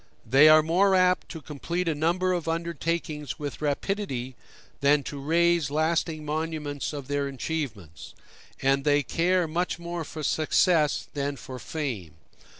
They are more apt to complete a number of undertakings with rapidity than to raise lasting monuments of their achievements; and they care much more for success than for fame.